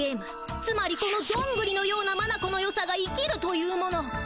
つまりこのどんぐりのようなまなこのよさが生きるというもの。